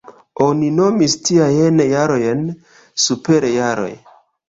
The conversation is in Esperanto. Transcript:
Oni nomis tiajn jarojn superjaroj.